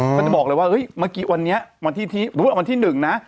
มันจะบอกเลยว่าเฮ้ยเมื่อกี้วันนี้วันที่ที่หรือว่าวันที่หนึ่งนะ